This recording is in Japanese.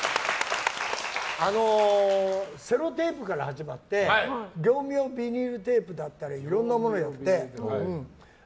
セロテープから始まって業務用ビニールテープだったりいろんなものやって。